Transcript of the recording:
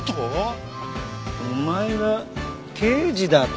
お前が刑事だと！？